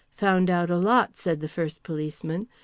"Found out a lot," said the first policeman.